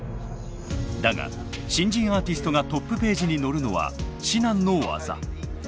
だが新人アーティストがトップページに載るのは至難の業。